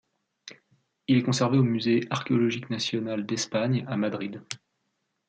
Il est conservé au musée archéologique national d'Espagne, à Madrid.